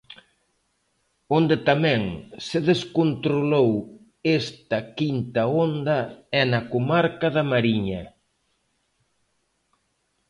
Onde tamén se descontrolou esta quinta onda é na comarca da Mariña.